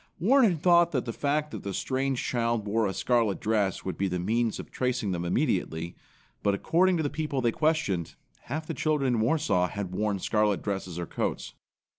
Warren had thought that the fact that the strange child wore a scarlet dress would be the means of tracing them immediately; but according to the people they questioned, half the children in Warsaw had worn scarlet dresses or coats.